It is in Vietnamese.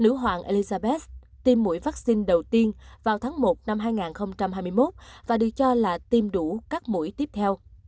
nữ hoàng elizabeth tiêm mũi vắc xin đầu tiên vào tháng một năm hai nghìn hai mươi một và được cho là tiêm đủ các mũi tiếp theo